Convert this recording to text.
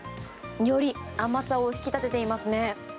より甘さを引き立てていますね。